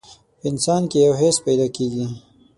په انسان کې يو حس پيدا کېږي.